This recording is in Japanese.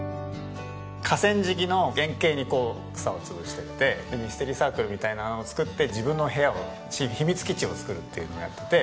河川敷の円形にこう草を潰していってミステリーサークルみたいなのを作って自分の部屋を秘密基地を作るっていうのをやってて。